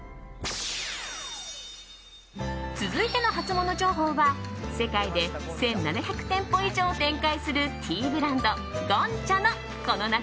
続いてのハツモノ情報は世界で１７００店舗以上を展開するティーブランド、ゴンチャのこの夏